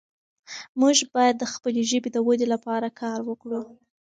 موږ باید د خپلې ژبې د ودې لپاره کار وکړو.